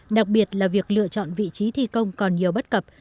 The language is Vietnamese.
đặc biệt là việc lựa chọn vị trí thi công còn nhiều bất cập